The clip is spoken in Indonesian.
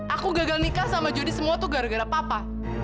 aku gagal nikah sama jody semua tuh gara gara papa